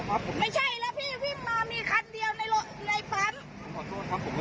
ไม่ใช่แล้วพี่วิ่งมามีคันเดียวในรถในในปั๊มผมขอโทษครับผม